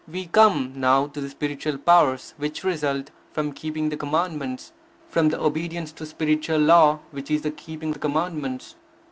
We come now to the spiritual powers which result from keeping the Commandments; from the obedience to spiritual law which is the keeping of the Commandments.